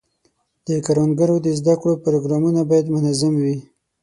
د کروندګرو د زده کړو پروګرامونه باید منظم وي.